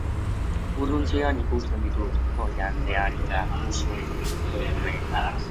Burruntzian ikusten ditut oilandak eta usakumeak.